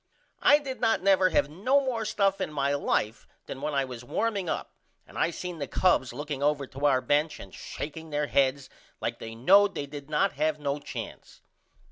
I did not never have no more stuff in my life then when I was warming up and I seen the Cubs looking over to our bench and shakeing there heads like they knowed they did not have no chance.